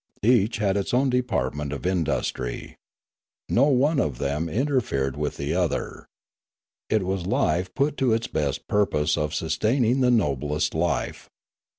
Each had its own department of industry. No one of them inter Rimla in fered with the other. It was life put to its best pur pose of sustaining the noblest life.